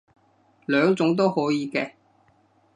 兩種都可以嘅